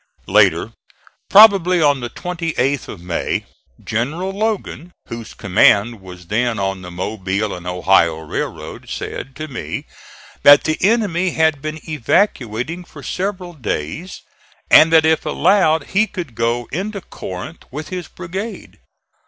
Later, probably on the 28th of May, General Logan, whose command was then on the Mobile and Ohio railroad, said to me that the enemy had been evacuating for several days and that if allowed he could go into Corinth with his brigade.